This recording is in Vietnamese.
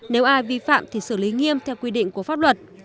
nếu ai vi phạm thì xử lý nghiêm theo quy định của pháp luật